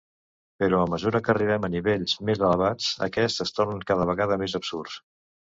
Però a mesura que arribem a nivells més elevats, aquests es tornen cada vegada més absurds.